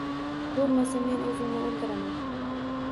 Boʻlmasa, men oʻzimni oʻldiraman.